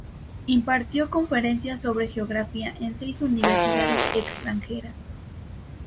Impartió conferencias sobre geografía en seis universidades extranjeras.